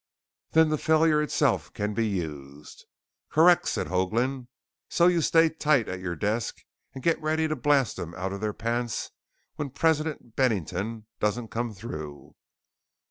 "Then the failure itself can be used." "Correct," said Hoagland. "So you stay tight at your desk and get ready to blast 'em out of their pants when President Bennington doesn't come through."